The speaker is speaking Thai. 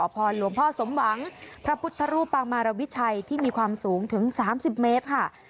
พระพุทธรูปังมารวิชัยที่มีความสูงถึง๓๐เมตรค่ะ